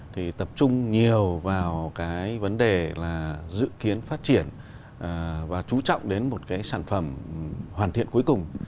thì tập trung nhiều vào cái vấn đề là dự kiến phát triển và chú trọng đến một cái sản phẩm hoàn thiện cuối cùng